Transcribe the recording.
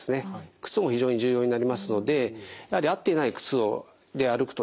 靴も非常に重要になりますのでやはり合っていない靴で歩くとですね